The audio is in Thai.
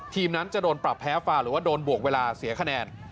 นั้นจะโดนปรับแพ้ฟาหรือว่าโดนบวกเวลาเสียคะแนน